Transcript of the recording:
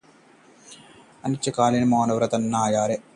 अनिश्चिकालीन मौन व्रत पर अन्ना हजारे